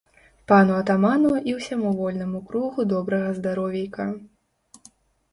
Пану атаману і ўсяму вольнаму кругу добрага здаровейка!